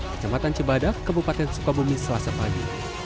kecamatan cebadak kabupaten sukabumi selasa padi